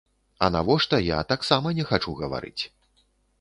А навошта, я таксама не хачу гаварыць.